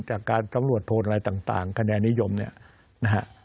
จากการสำรวจโพลอะไรต่างคะแนนนิยมเนี่ยนะฮะ